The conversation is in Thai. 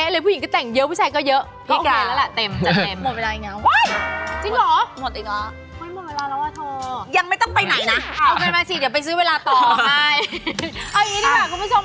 ให้ทุกท่านที่อยากจะดูรายการย้อนหลัง